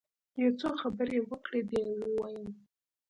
يو څو خبرې يې وکړې بيا يې وويل.